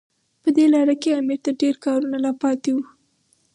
په دې لاره کې امیر ته ډېر کارونه لا پاتې وو.